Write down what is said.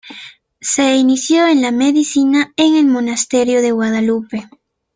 Se inició en la medicina en el monasterio de Guadalupe.